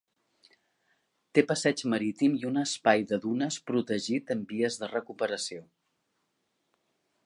Té passeig marítim i un espai de dunes protegit en vies de recuperació.